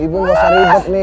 ibu masa ribet nih